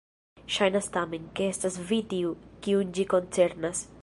Ŝajnas tamen, ke estas vi tiu, kiun ĝi koncernas.